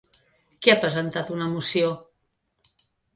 Qui ha presentat una moció?